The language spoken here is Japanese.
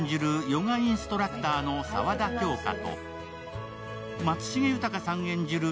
ヨガインストラクターの沢田杏花と松重豊さん演じる